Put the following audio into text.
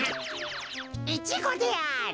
イチゴである。